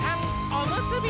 おむすび！